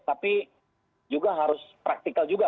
tapi juga harus praktikal juga